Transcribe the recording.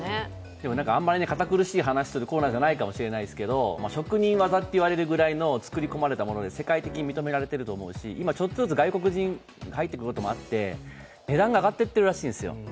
あんまり堅苦しい話をするコーナーじゃないかもしれないですけど、職人技といわれるほどの作り込まれたもので世界的に認められていると思いますし、今外国でも入っていることもあって値段が上がっていっているらしいんですよ。